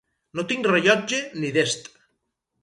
No tinc rellotge ni dest